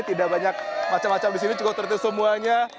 tidak banyak macam macam di sini cukup tertentu semuanya